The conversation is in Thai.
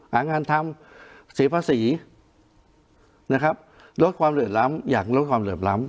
หางานทำเสียภาษีนะครับลดความเหลื่อมล้ำอย่างลดความเหลื่อมล้ำ